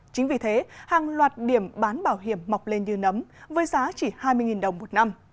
chính vì thế hàng loạt điểm bán bảo hiểm mọc lên như nấm với giá chỉ hai mươi đồng một năm